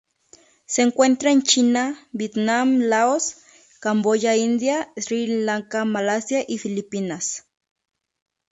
Se encuentra en China, Vietnam Laos, Camboya India Sri Lanka Malasia y Filipinas.